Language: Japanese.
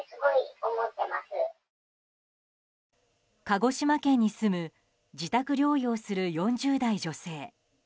鹿児島県に住む自宅療養する４０代女性。